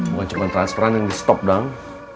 bukan cuma transferan yang di stop doang